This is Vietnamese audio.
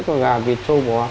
cho gà vịt cho bò